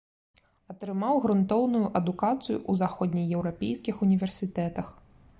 Атрымаў грунтоўную адукацыю ў заходнееўрапейскіх універсітэтах.